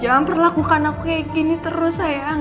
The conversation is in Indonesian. jangan pernah lakukan aku kayak gini terus sayang